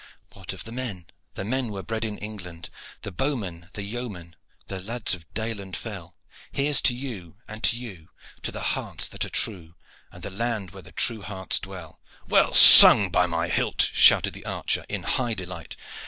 What of the men? The men were bred in England: The bowman the yeoman The lads of dale and fell Here's to you and to you; To the hearts that are true And the land where the true hearts dwell. "Well sung, by my hilt!" shouted the archer in high delight.